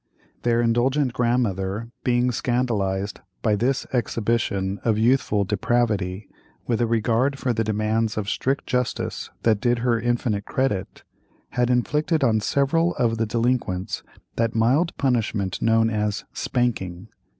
Their indulgent grandmother, being scandalized by this exhibition of youthful depravity, with a regard for the demands of strict justice that did her infinite credit, had inflicted on several of the delinquents that mild punishment known as "spanking."